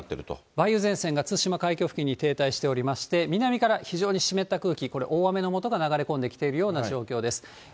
梅雨前線が対馬海峡付近に停滞しておりまして、南から非常に湿った空気、大雨のもとが流れ込んできている状況です。